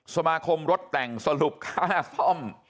สมาคมรถแต่งสรุปค่าซ่อม